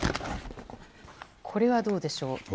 これはどうでしょう。